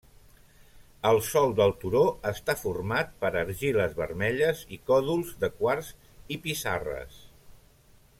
El sòl del turó està format per argiles vermelles i còdols de quars i pissarres.